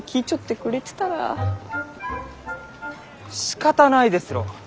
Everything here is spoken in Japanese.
しかたないですろう！